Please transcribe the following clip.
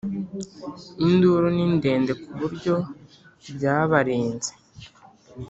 Induru ni ndende kuburyo byabarenze